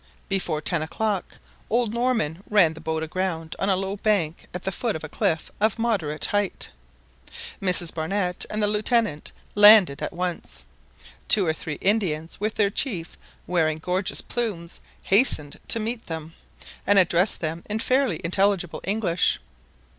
Before ten o'clock old Norman ran the boat aground on a low bank at the foot of a cliff of moderate height. Mrs Barnett and the Lieutenant landed at once. Two or three Indians, with their chief, wearing gorgeous plumes, hastened to meet them, and addressed them in fairly intelligible English.